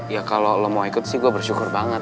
ya kalau lo mau ikut sih gue bersyukur banget